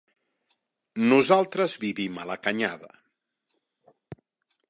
Nosaltres vivim a la Canyada.